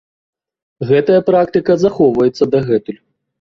Гэтая практыка захоўваецца дагэтуль.